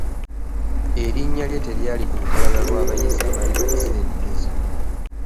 Erinnya lye telyali ku lukalala lw'abayizi abaali bayisse ebigezo.